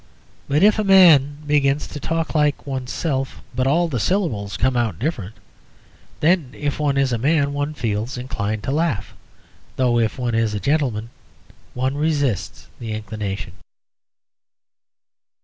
But if a man begins to talk like oneself, but all the syllables come out different, then if one is a man one feels inclined to laugh, though if one is a gentleman one resists the inclination.